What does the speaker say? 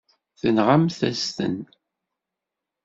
Tenɣamt-as-ten.